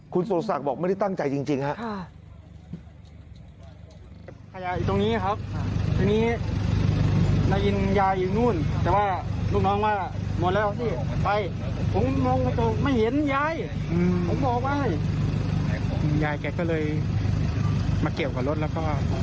คุณสุรศักดิ์บอกไม่ได้ตั้งใจจริงครับ